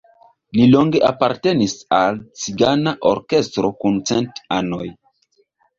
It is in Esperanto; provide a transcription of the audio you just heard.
Li longe apartenis al "Cigana Orkestro kun cent anoj".